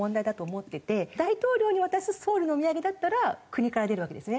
大統領に渡す総理のお土産だったら国から出るわけですね。